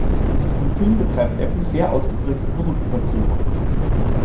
Im Film betreibt Apple sehr ausgeprägte Produktplatzierung.